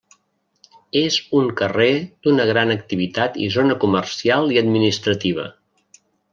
És un carrer d'una gran activitat i zona comercial i administrativa.